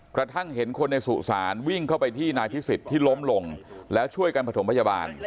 กระทั่งเห็นคนในสุสานวิ่งเข้าไปที่นายพิสิทธิ์ที่ล้มลงแล้วช่วยกันประถมพยาบาล